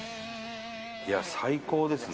いや、最高ですね。